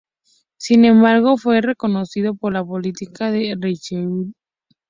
Sin embargo, fue reconocido por la policía de Richelieu.